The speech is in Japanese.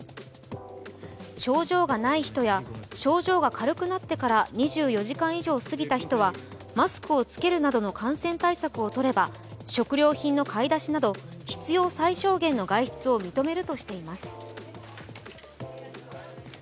症状がない人や、症状が軽くなってから２４時間以上過ぎた人はマスクを着けるなどの感染対策をとれば、食料品の買い出しなどの必要最小限の外出を認めるとしています。